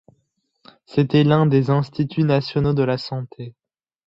C'était l'un des Instituts nationaux de la santé.